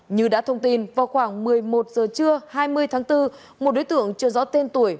như đã thông tin vào khoảng một mươi một giờ trưa hai mươi tháng bốn một đối tượng chưa rõ tên tuổi